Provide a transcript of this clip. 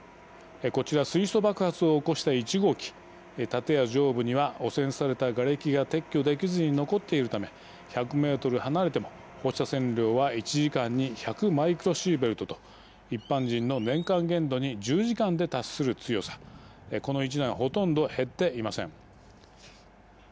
こちら水素爆発を起こした１号機建屋上部には汚染されたがれきが撤去できずに残っているため１００メートル離れても放射線量は１時間に１００マイクロシーベルトと一般人の年間限度に１０時間で達する強さこの１年ほとんど減っていません。